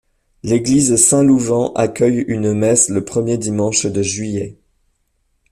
L'église Saint-Louvent accueille une messe le premier dimanche de juillet.